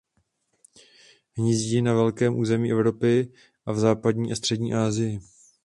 Hnízdí na velkém území Evropy a v západní a střední Asii.